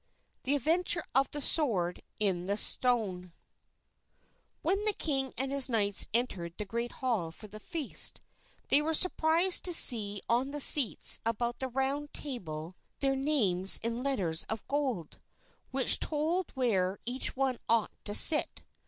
The Adventure of the Sword in the Stone When the king and his knights entered the great hall for the feast, they were surprised to see on the seats about the Round Table their names in letters of gold, which told where each one ought to sit.